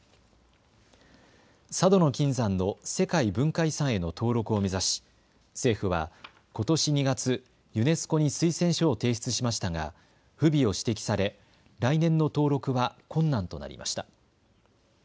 佐渡島の金山の世界文化遺産への登録を目指し政府はことし２月、ユネスコに推薦書を提出しましたが不備を指摘され来年の登録は困難となりました。